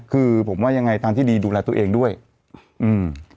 คือผมว่ายังไงทางที่ดีดูแลตัวเองด้วยอืม